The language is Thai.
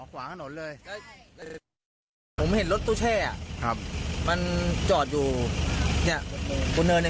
ขวางถนนเลยผมเห็นรถตู้แช่อ่ะครับมันจอดอยู่เนี่ยบนเนินเนี่ย